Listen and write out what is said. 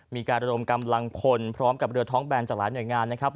มีการรมกำลังผลพร้อมกับเรือท้องแบนจากหลายเนื้อการ